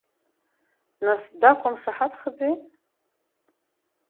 Нас, дақәымшаҳаҭхаӡеи?